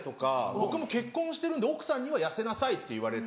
僕も結婚してるんで奥さんには痩せなさいって言われて。